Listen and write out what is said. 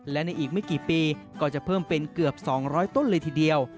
และในอีกไม่กี่ปีก็จะเพิ่มเป็นเกือบ๒๐๐ต้นเลยทีเดียว